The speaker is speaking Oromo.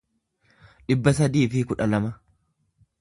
dhibba sadii fi kudha lama